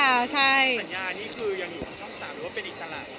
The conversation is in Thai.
สัญญานี้คือยังอยู่ทั้งสามหรือเป็นอิสระ